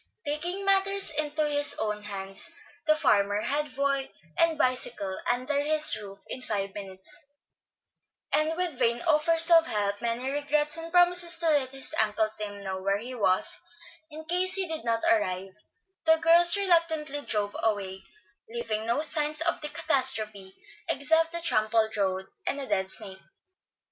Taking matters into his own hands, the farmer had boy and bicycle under his roof in five minutes; and with vain offers of help, many regrets, and promises to let his Uncle Tim know where he was, in case he did not arrive, the girls reluctantly drove away, leaving no sign of the catastrophe except the trampled road, and a dead snake.